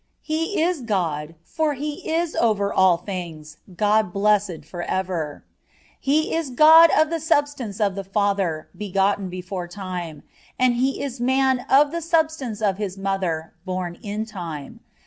He is God, for He "is over all things, God blessed forever."(4) "He is God of the substance of the Father, begotten before time; and He is Man of the substance of His Mother, born in time."